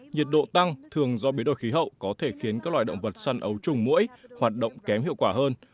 nhiệt độ tăng thường do biến đổi khí hậu có thể khiến các loài động vật săn ấu trùng mũi hoạt động kém hiệu quả hơn